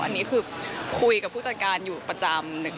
อันนี้คือคุยกับผู้จัดการอยู่ประจำ